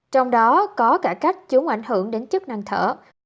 trong đó có cả cách chúng ảnh hưởng đến chức năng thở